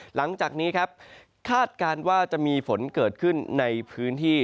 หลังจากนี้ครับคาดการณ์ว่าจะมีฝนเกิดขึ้นในพื้นที่